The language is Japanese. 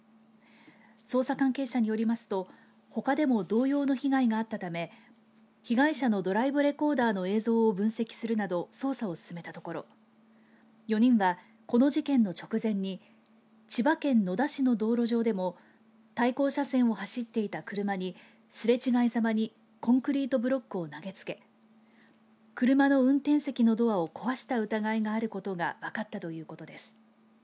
捜査関係者によりますとほかでも同様の被害があったため被害者のドライブレコーダーの映像を分析するなど捜査を進めたところ４人は、この事件の直前に千葉県野田市の道路上でも対向車線を走っていた車にすれ違いざまにコンクリートブロックを投げつけ車の運転席のドアを壊した疑いがあることが分かったということです。